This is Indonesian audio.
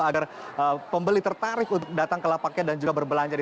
ada pembeli tertarik untuk datang ke lapaknya dan juga berbelanja di sini